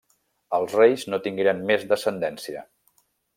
Els reis no tingueren més descendència.